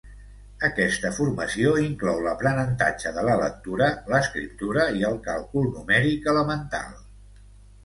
Aquesta formació inclou l'aprenentatge de la lectura, l'escriptura i el càlcul numèric elemental.